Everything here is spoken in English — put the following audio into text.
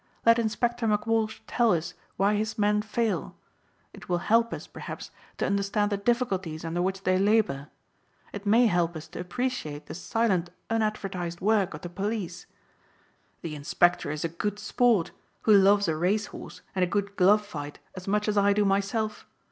Let Inspector McWalsh tell us why his men fail. It will help us, perhaps, to understand the difficulties under which they labor. It may help us to appreciate the silent unadvertised work of the police. The Inspector is a good sport who loves a race horse and a good glove fight as much as I do myself.